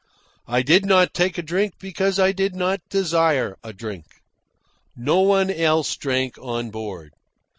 I did not take a drink because I did not desire a drink. No one else drank on board.